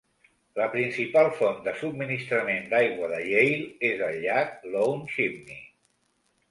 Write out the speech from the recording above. La principal font de subministrament d'aigua de Yale és el llac Lone Chimney.